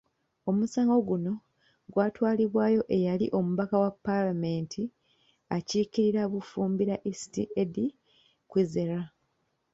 Omusango guno gwatwalibwayo eyali omubaka wa Paalamenti akiikirira Bufumbira East, Eddie Kwizera.